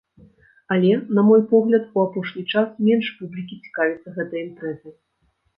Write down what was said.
Але, на мой погляд, у апошні час менш публікі цікавіцца гэтай імпрэзай.